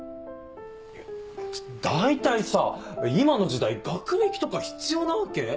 大体さ今の時代学歴とか必要なわけ？